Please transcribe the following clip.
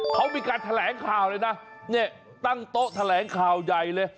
เขามีการแถลงข่าวเลยนะเนี่ยตั้งโต๊ะแถลงข่าวใหญ่เลย